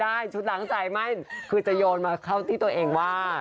ใช่ชุดหลังใส่ไม่คือจะโยนมาเข้าที่ตัวเองว่า